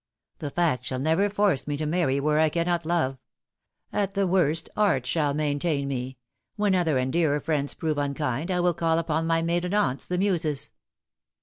" That fact shall never force me to marry where I cannot love. At the worst, art shall maintain me. When other and dearer friends prove unkind, I will call upon my maiden aunts, the Muses."